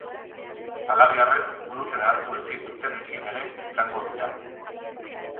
Halabeharrez glutena hartu ezin dutenekin ere izango dira.